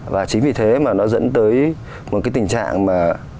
và chính vì thế mà nó dẫn tới một cái tình trạng mà